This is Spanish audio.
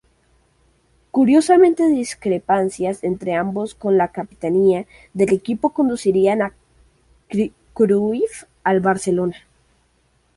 Curiosamente discrepancias entre ambos por la capitanía del equipo conducirían a Cruyff al Barcelona.